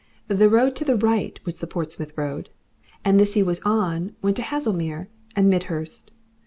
The road to the right was the Portsmouth road, and this he was on went to Haslemere and Midhurst.